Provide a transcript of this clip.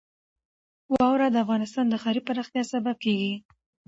واوره د افغانستان د ښاري پراختیا سبب کېږي.